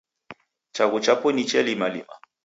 Chaghu chapo niche limalima.